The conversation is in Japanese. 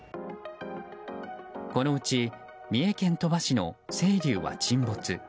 このうち、三重県鳥羽市の「せいりゅう」は沈没。